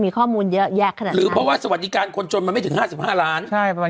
ก็หมอพร้อมพอสวัสดีกับคนชนไม่ถึง๕๕ล้าน